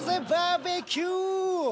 バーベキュー！